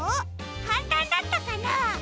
かんたんだったかな？